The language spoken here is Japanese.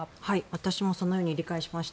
私もそのように理解しました。